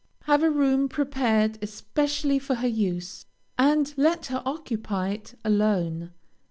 Have a room prepared especially for her use, and let her occupy it alone.